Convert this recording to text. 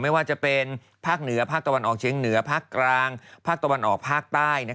ไม่ว่าจะเป็นภาคเหนือภาคตะวันออกเชียงเหนือภาคกลางภาคตะวันออกภาคใต้